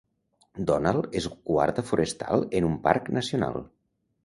Donald és guarda forestal en un parc nacional.